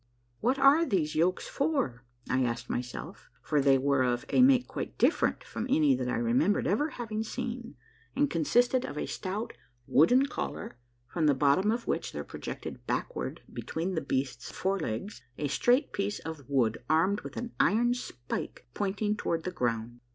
" What are those yokes for?" I asked myself, for they were of a make quite different from any that I remembered ever having seen, and consisted of a stout wooden collar from the bottom of which there projected backward between the beast's forelegs a straight piece of wood armed with an iron spike pointing toward the ground.